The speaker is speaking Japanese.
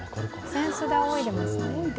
扇子で扇いでますね。